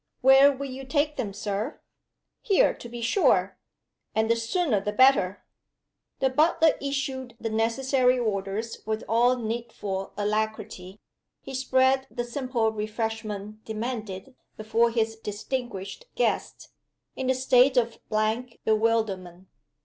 "Where will you take them, Sir?" "Here, to be sure! And the sooner the better." The butler issued the necessary orders with all needful alacrity. He spread the simple refreshment demanded, before his distinguished guest, in a state of blank bewilderment.